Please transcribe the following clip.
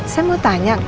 saya mau tanya